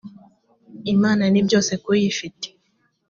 imana nibyose kuyifite.